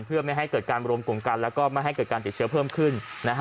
เพื่อไม่ให้เกิดการรวมกลุ่มกันแล้วก็ไม่ให้เกิดการติดเชื้อเพิ่มขึ้น